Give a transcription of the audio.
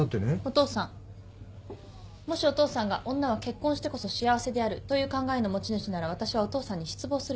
もしお父さんが女は結婚してこそ幸せであるという考えの持ち主なら私はお父さんに失望するわ。